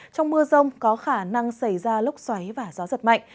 trong mưa rông có khả năng xảy ra lốc xoáy và gió giật mạnh